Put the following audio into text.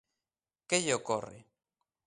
¿Que lle ocorre?